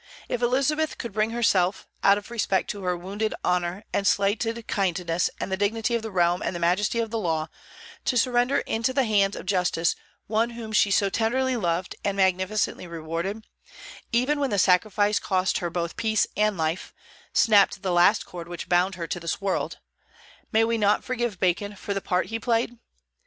If Elizabeth could bring herself, out of respect to her wounded honor and slighted kindness and the dignity of the realm and the majesty of the law, to surrender into the hands of justice one whom she so tenderly loved and magnificently rewarded, even when the sacrifice cost her both peace and life, snapped the last cord which bound her to this world, may we not forgive Bacon for the part he played?